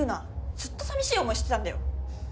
ずっとさみしい思いしてたんだよ